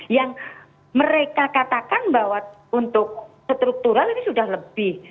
yang mereka katakan bahwa untuk struktural ini sudah lebih